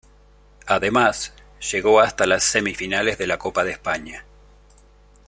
Además, llegó hasta las semifinales de la Copa de España.